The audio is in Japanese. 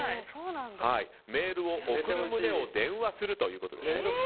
メールを送る旨を電話するということですね。